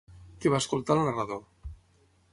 Què va escoltar el narrador?